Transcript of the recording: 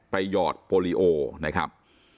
หยอดโปรลีโอนะครับ